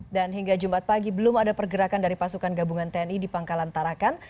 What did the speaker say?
dan hingga jumat pagi belum ada pergerakan dari pasukan gabungan tni di pangkalan tarakan